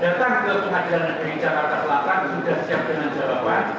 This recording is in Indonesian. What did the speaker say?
datang ke pengadilan timbik jangan terselatan sudah siap dengan jawaban